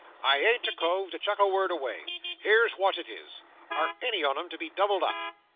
"I ain't a cove to chuck a word away. Here's wot it is. Are any on 'em to be doubled up?"